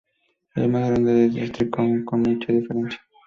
El más grande es Tritón con mucha diferencia.